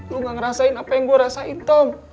lo gak ngerasain apa yang gue rasain tom